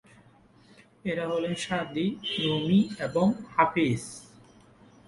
এরা হলেন Saadi, Rumi এবং হাফিজ।